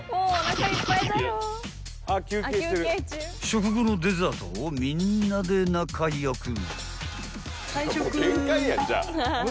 ［食後のデザートをみんなで仲良く］